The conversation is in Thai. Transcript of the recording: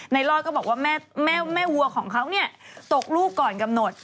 รอดก็บอกว่าแม่วัวของเขาเนี่ยตกลูกก่อนกำหนด